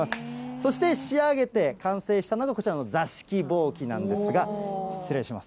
そして仕上げて完成したのが、こちらの座敷ぼうきなんですが、失礼します。